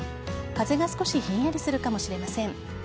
風が少しひんやりするかもしれません。